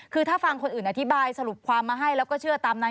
คือถ้าฟังคนอื่นอธิบายสรุปความมาให้แล้วก็เชื่อตามนั้น